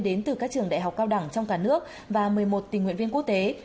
đến từ các trường đại học cao đẳng trong cả nước và một mươi một tình nguyện viên quốc tế